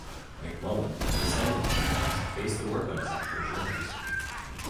McMullan, a descendant of Shannon's, based the work on his actual journals.